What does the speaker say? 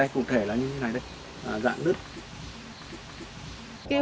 cụ thể là như thế này đây giãn nứt